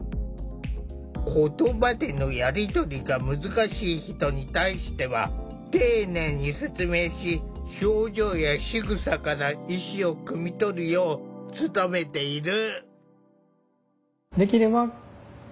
言葉でのやり取りが難しい人に対しては丁寧に説明し表情やしぐさから意思をくみ取るよう努めている。